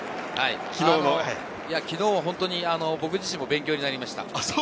昨日は本当に僕自身も勉強になりました。